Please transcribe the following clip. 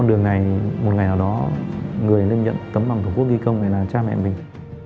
đường này một ngày nào đó người lên nhẫn tấm bằng tổ quốc ghi công là cha mẹ mình